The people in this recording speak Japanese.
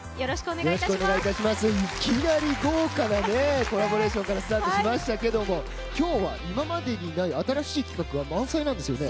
いきなり豪華なコラボレーションからスタートしましたが今日は今までにない新しい企画が満載なんですよね。